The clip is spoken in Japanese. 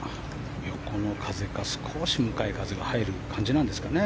横の風か、少し向かい風が入る感じなんですかね。